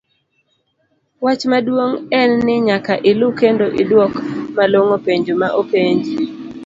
wach maduong en ni nyaka ilu kendo iduok malong'o penjo ma openji.